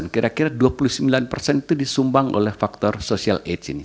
kira kira dua puluh sembilan persen itu disumbang oleh faktor social aids ini